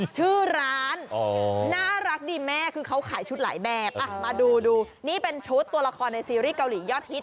ชื่อร้านน่ารักดีแม่คือเขาขายชุดหลายแบบมาดูดูนี่เป็นชุดตัวละครในซีรีส์เกาหลียอดฮิต